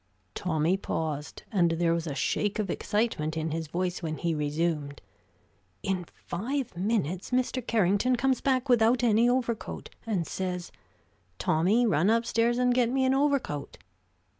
Tommy paused, and there was a shake of excitement in his voice when he resumed: "In five minutes Mr. Carrington comes back without any overcoat, and says, Tommy, run upstairs and get me an overcoat.'